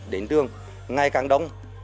đến đường ngày càng đông